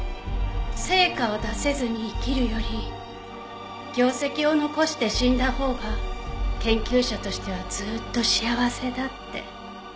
成果を出せずに生きるより業績を残して死んだほうが研究者としてはずっと幸せだって。